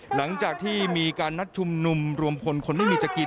หลังจากที่มีการนัดชุมนุมรวมพลคนไม่มีจะกิน